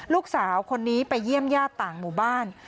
ลูกสาวคนนี้ไปเยี่ยมญาติต่างหมู่บ้าน